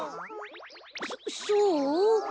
そそう？